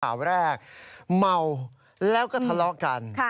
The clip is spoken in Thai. ข่าวแรกเมาแล้วก็ทะเลาะกัน